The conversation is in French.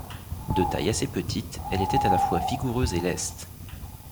De taille assez petite, elle était à la fois vigoureuse et leste.